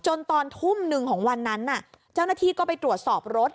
ตอนทุ่มหนึ่งของวันนั้นเจ้าหน้าที่ก็ไปตรวจสอบรถ